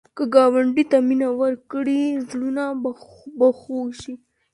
که ګاونډي ته مینه ورکړې، زړونه به خوږ شي